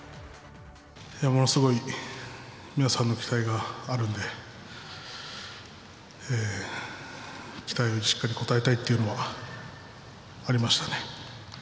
ものすごい皆さんの期待があるんで、期待にしっかり応えたいというのはありましたね。